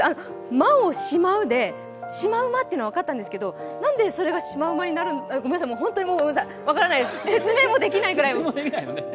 「マ」をしまうでシマウマって分かったんですけど何でそれがシマウマになるのかごめんなさい、ホントにごめんなさい、説明もできないくらい。